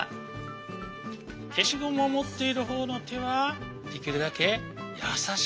けしゴムをもっているほうのてはできるだけやさしく。